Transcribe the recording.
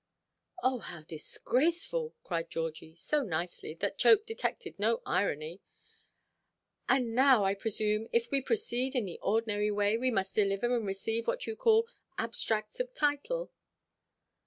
"Oh, how disgraceful!" cried Georgie, so nicely, that Chope detected no irony: "and now, I presume, if we proceed in the ordinary way, we must deliver and receive what you call 'abstracts of title.